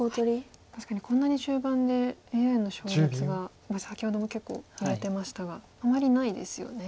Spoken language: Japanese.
確かにこんなに終盤でＡＩの勝率がまあ先ほども結構揺れてましたがあまりないですよね。